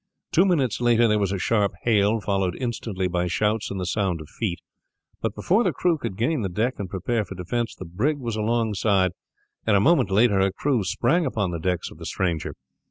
Two minutes later there was a sharp hail, followed instantly by shouts and the sound of feet; but before the crew could gain the deck and prepare for defence the brig was alongside, and a moment later her crew sprang upon the decks of the stranger.